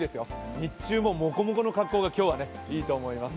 日中も、もこもこの格好が今日はいいと思います。